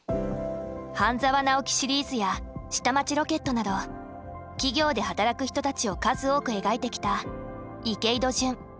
「半沢直樹」シリーズや「下町ロケット」など企業で働く人たちを数多く描いてきた池井戸潤。